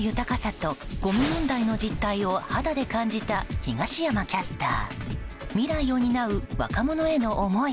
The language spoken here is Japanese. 干潟の豊かさとごみ問題の実態を肌で感じた東山キャスター。